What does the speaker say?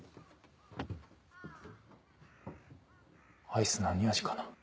アイス何味かな？